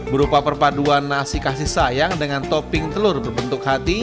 berupa perpaduan nasi kasih sayang dengan topping telur berbentuk hati